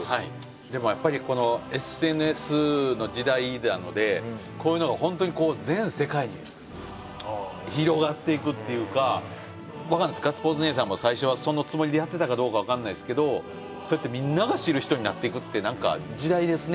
でもやっぱりこのＳＮＳの時代なのでこういうのがホントに全世界に広がっていくっていうかガッツポーズ姉さんも最初はそのつもりでやってたかどうかわかんないですけどそうやってみんなが知る人になっていくってなんか時代ですね。